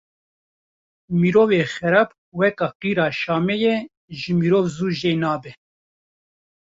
Mirovê xerab weka qîra Şamê ye ji meriv zû jê nabe